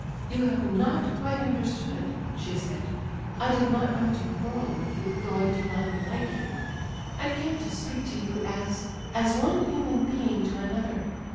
"You have not quite understood," she said. "I did not come to quarrel with you, though I do not like you. I came to speak to you as... as one human being to another.